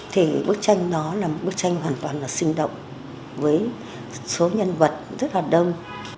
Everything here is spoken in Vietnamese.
thì bức tranh đó là một bức tranh hoàn toàn là sinh động với số nhân vật rất là đông